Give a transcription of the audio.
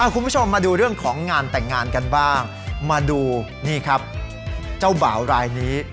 คุณผู้ชมมาดูเรื่องของงานแต่งงานกันบ้างมาดูนี่ครับเจ้าบ่าวรายนี้